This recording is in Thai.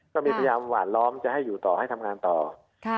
ก็มีพยายามหวานล้อมจะให้อยู่ต่อให้ทำงานต่อค่ะ